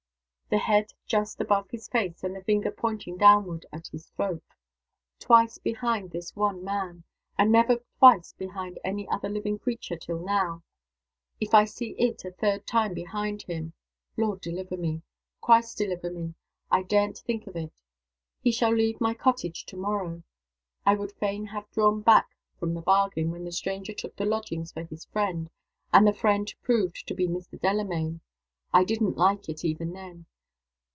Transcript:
The head just above his face, and the finger pointing downward at his throat. Twice behind this one man. And never twice behind any other living creature till now. If I see IT a third time behind him Lord deliver me! Christ deliver me! I daren't think of it. He shall leave my cottage to morrow. I would fain have drawn back from the bargain, when the stranger took the lodgings for his friend, and the friend proved to be Mr. Delamayn. I didn't like it, even then.